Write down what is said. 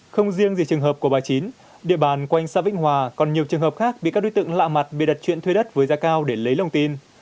không riêng gì trường hợp của bà chín địa bàn quanh xã vĩnh hòa còn nhiều trường hợp khác bị các đối tượng lạ mặt bịa đặt chuyện thuê đất với giá cao để lấy lòng tin